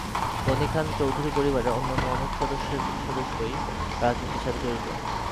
গণি খান চৌধুরীর পরিবারের অন্যান্য অনেক সদস্যই রাজনীতির সাথে জড়িত।